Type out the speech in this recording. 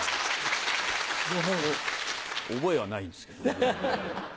覚えはないんですけどね。